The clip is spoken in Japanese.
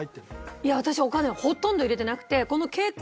いや私お金はほとんど入れてなくてこの携帯。